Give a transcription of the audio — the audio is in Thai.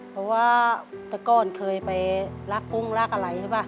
เพราะว่าตะกรเคยไปลากปุ้งลากอะไรใช่ป่ะ